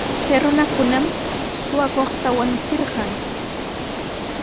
Chay runakunam suqakuqta wañuchirqan.